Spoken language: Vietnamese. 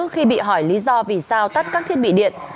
khi bị hỏi lý do vì sao tắt các thiết bị điện